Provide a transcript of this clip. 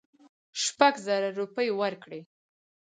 شپږزره روپۍ ورکړې.